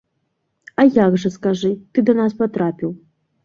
А як жа, скажы, ты да нас патрапіў?